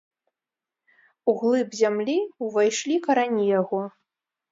У глыб зямлі ўвайшлі карані яго.